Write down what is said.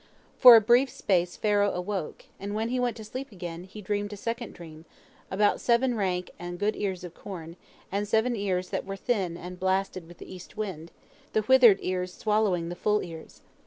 For a brief space Pharaoh awoke, and when he went to sleep again, he dreamed a second dream, about seven rank and good ears of corn, and seven ears that were thin and blasted with the east wind, the withered cars swallowing the full ears.